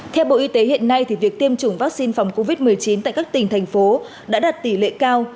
theo bộ y tế hiện nay việc tiêm chủng vaccine phòng covid một mươi chín tại các tỉnh thành phố đã đạt tỷ lệ cao